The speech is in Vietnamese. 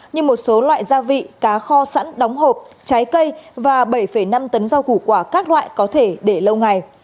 như một số loại gia vị cá kho sẵn đóng hộp trái cây và bảy năm tấn rau củ quả các loại có thể để lâu ngày